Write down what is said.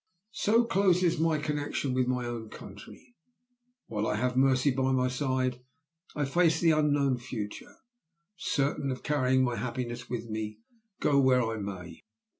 "So closes my connection with my own country. While I have Mercy by my side I face the unknown future, certain of carrying my happiness with me, go where I may.